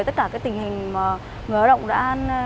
tất cả tình hình người lao động đã ý kiến lên